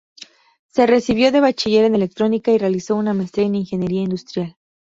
Se recibió de Bachiller en electrónica y realizó una maestría en Ingeniería industrial.